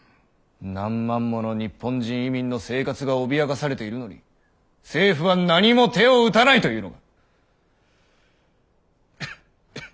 何万もの日本人移民の生活が脅かされているのに政府は何も手を打たないというのか！